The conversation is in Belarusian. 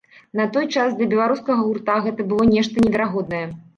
На той час для беларускага гурта гэта было нешта неверагоднае.